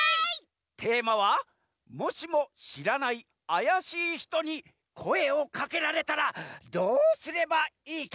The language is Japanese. テーマは「もしもしらないあやしいひとにこえをかけられたらどうすればいいか？」。